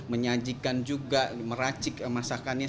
menyajikan juga meracik masakannya